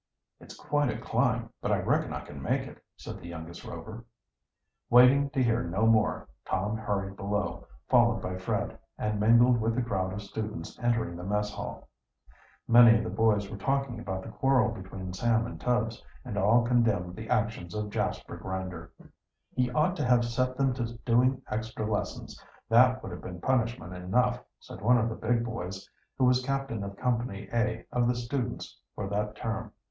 "It's quite a climb, but I reckon I can make it," said the youngest Rover. Waiting to hear no more, Tom hurried below, followed by Fred, and mingled with the crowd of students entering the mess hall. Many of the boys were talking about the quarrel between Sam and Tubbs, and all condemned the actions of Jasper Grinder. "He ought to have set them to doing extra lessons; that would have been punishment enough," said one of the big boys, who was captain of Company A of the students for that term.